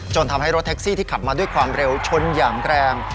ทำให้รถแท็กซี่ที่ขับมาด้วยความเร็วชนอย่างแรง